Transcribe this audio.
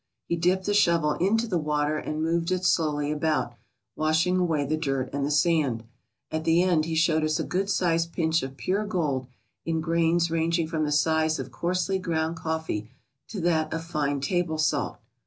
He dipped the shovel into the water and moved it slowly about, washing away the dirt and the sand. At the end he showed us a good sized pinch of pure gold in grains ranging from ^'the size of coarsely ground coffee to that of fine table salt.